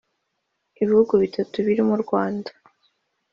Ibihugu bitatu birimo u Rwanda